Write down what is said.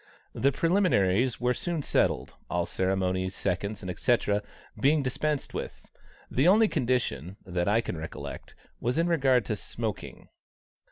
The preliminaries were soon settled, all ceremony, seconds, &c., being dispensed with; the only condition, that I can recollect, was in regard to smoking.